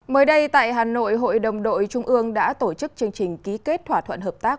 mới đây tại hà nội hội đồng đội trung ương đã tổ chức chương trình ký kết thỏa thuận hợp tác